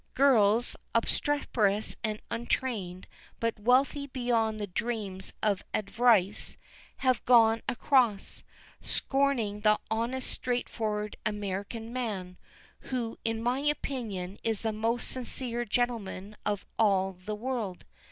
Girls, obstreperous and untrained, but wealthy beyond the dreams of avarice, have gone across, scorning the honest straightforward American man, who in my opinion is the most sincere gentleman of all the world.